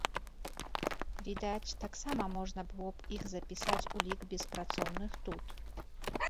Відаць, таксама можна было б іх запісаць у лік беспрацоўных тут.